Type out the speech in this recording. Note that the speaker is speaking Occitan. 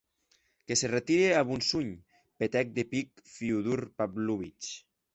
Que se retire a Von Sonh, petèc de pic Fiódor Pávlovich.